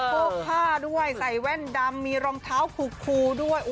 โพกผ้าด้วยใส่แว่นดำมีรองเท้าคูด้วย